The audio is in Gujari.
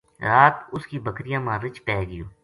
رات اس کی بکریاں ما رِچھ پے گیو